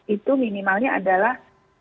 itu minimalnya adalah